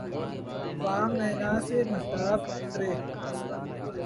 بام مینا سے ماہتاب اترے